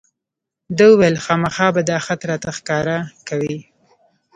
ده وویل خامخا به دا خط راته ښکاره کوې.